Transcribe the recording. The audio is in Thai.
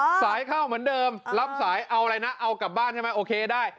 สายเข้าเหมือนเดิมรับสายเอาอะไรนะเอากลับบ้านใช่ไหมโอเคได้